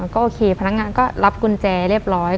ก็โอเคพนักงานก็รับกุญแจเรียบร้อย